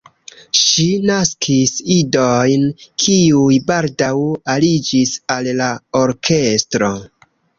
Ŝi naskis idojn, kiuj baldaŭ aliĝis al la orkestro.